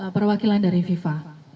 perwakilan dari viva